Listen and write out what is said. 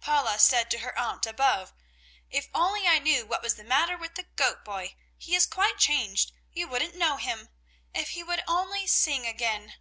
Paula said to her aunt above: "If I only knew what was the matter with the goat boy! He is quite changed. You wouldn't know him. If he would only sing again!"